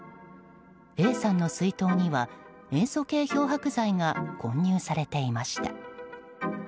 Ａさんの水筒には塩素系漂白剤が混入されていました。